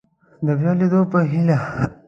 د بیا لیدو په هیله